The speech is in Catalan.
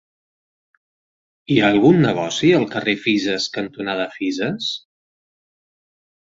Hi ha algun negoci al carrer Fisas cantonada Fisas?